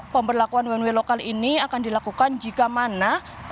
pemberlakuan one way lokal ini akan dilakukan jika mana